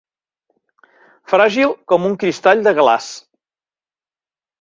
Fràgil com un cristall de glaç.